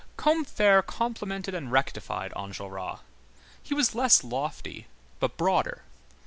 Combeferre complemented and rectified Enjolras. He was less lofty, but broader.